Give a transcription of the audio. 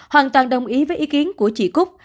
hoàn toàn đồng ý với ý kiến của chị cúc